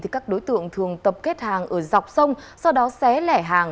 các đối tượng thường tập kết hàng ở dọc sông sau đó xé lẻ hàng